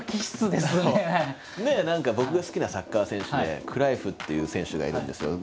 で何か僕が好きなサッカー選手でクライフっていう選手がいるんですけど。